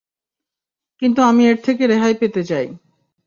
কিন্তু আমি এর থেকে রেহাই পেতে চাই।